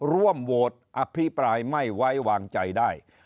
ร่วมโหวตอภิปรายไม่ไว้วางใจได้